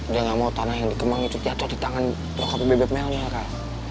dia nggak mau tanah yang dikembang itu jatuh di tangan bebek melnya kak